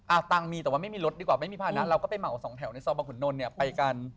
ตังค์มีแต่ว่าไม่มีรถดีกว่าไม่มีภาระเราก็ไปเหมาสองแถวในซอยบังขุนนท์เนี่ยไปกัน